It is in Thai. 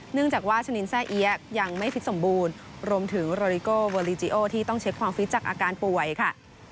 เนื่องจากว่าชะนินแซ่เอี๊ยะยังไม่ฟิตสมบูรณ์รวมถึงโรดิโกเวอลิจิโอที่ต้องเช็คความฟิตจากอาการป่วยค่ะ